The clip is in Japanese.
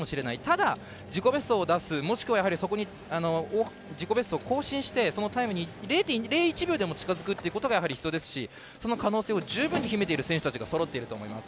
ただ、自己ベストを出す自己ベストを更新してそのタイムに０．０１秒でも近づくことが必要ですしその可能性を十分に秘めている選手がそろっていると思います。